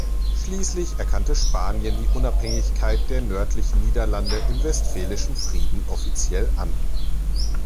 Schließlich erkannte Spanien die Unabhängigkeit der nördlichen Niederlande im Westfälischen Frieden offiziell an.